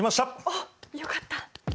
おっよかった。